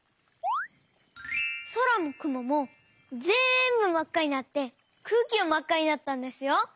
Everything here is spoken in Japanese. そらもくももぜんぶまっかになってくうきもまっかになったんですよ！